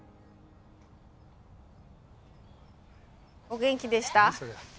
お元気でした？